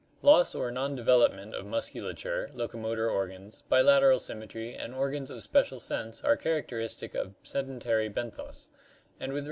Loss or non develop ment of musculature, locomotor organs, bilateral symmetry, and organs of special sense are characteris tic of sedentary ben thos, and with rare ,Flc' , ~1^"^ "*!